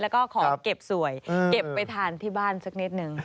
แล้วก็ขอเก็บสวยเก็บไปทานที่บ้านสักนิดนึง